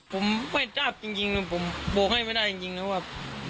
ผมไม่ทราบจริงนะผมบอกให้ไม่ได้จริงนะว่า